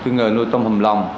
người nuôi tôm hùm lòng